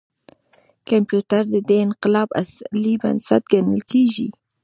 کمپیوټر د دې انقلاب اصلي بنسټ ګڼل کېږي.